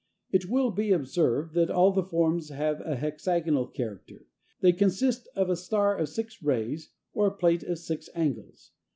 It will be observed that all the forms have a hexagonal character. They consist of a star of six rays, or a plate of six angles.